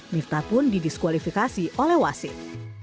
miftah pun didiskualifikasi oleh wasit